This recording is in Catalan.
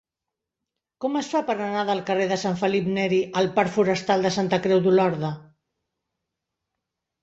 Com es fa per anar del carrer de Sant Felip Neri al parc Forestal de Santa Creu d'Olorda?